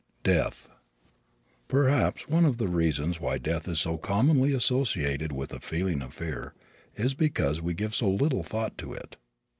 DEATH Perhaps one of the reasons why death is so commonly associated with a feeling of fear is because we give so little thought to it.